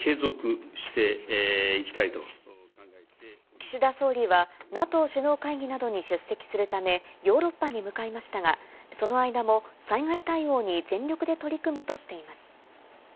岸田総理はＮＡＴＯ首脳会議などに出席するためヨーロッパに向かいましたが、その間も災害対応に全力で取り組むとしています。